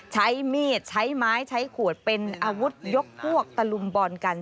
ใช้มีดใช้ไม้ใช้ขวดเป็นอาวุธยกพวกตะลุมบอลกัน